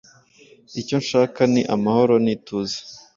Icyo nshaka ni amahoro n'ituze.